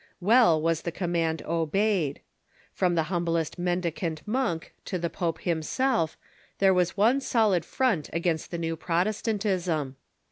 Well was the command obeyed. From the hum blest mendicant monk to the pope himself, there was one solid front against the new Protestantism.